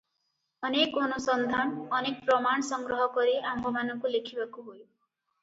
ଅନେକ ଅନୁସନ୍ଧାନ, ଅନେକ ପ୍ରମାଣ ସଂଗ୍ରହ କରି ଆମ୍ଭମାନଙ୍କୁ ଲେଖିବାକୁ ହୁଏ ।